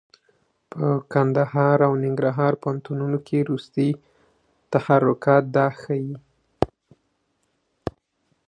په کندهار او ننګرهار پوهنتونونو کې وروستي تحرکات دا ښيي.